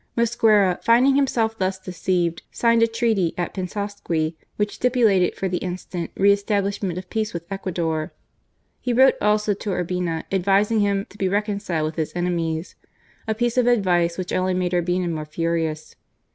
Mosquera, finding himself thus deceived, signed a treaty at Pinsaqui, which stipulated for the instant re establishment of peace with Ecuador. He wrote also to Urbina, advising him to be reconciled with his enemies," a piece of advice which only made Urbina more furious.